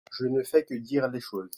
Je ne fais que dire les choses